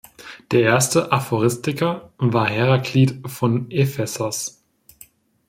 Der erste Aphoristiker war Heraklit von Ephesos.